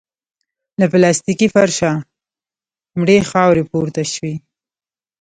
له پلاستيکي فرشه مړې خاورې پورته شوې.